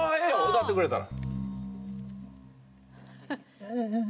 歌ってくれたら。